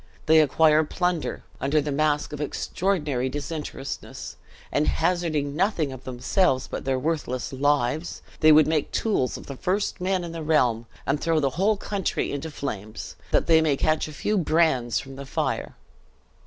They acquire plunder, under the mask of extraordinary disinterestedness; and hazarding nothing of themselves but their worthless lives, they would make tools of the first men in the realm; and throw the whole country into flames, that they may catch a few brands from the fire!"